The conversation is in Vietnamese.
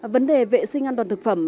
vấn đề vệ sinh an toàn thực phẩm